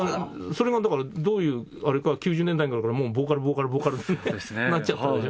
それがどういうあれか９０年代頃からもうボーカルボーカルボーカルなっちゃったでしょ。